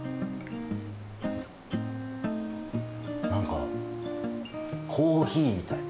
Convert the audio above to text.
なんか、コーヒーみたい。